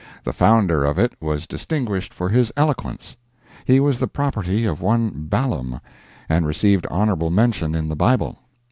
The founder of it was distinguished for his eloquence; he was the property of one Baalam, and received honorable mention in the Bible.